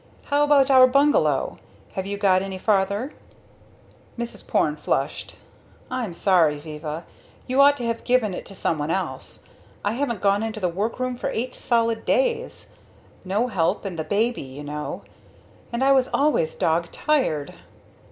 "How about our bungalow? have you got any farther?" Mrs. Porne flushed. "I'm sorry, Viva. You ought to have given it to someone else. I haven't gone into that workroom for eight solid days. No help, and the baby, you know. And I was always dog tired."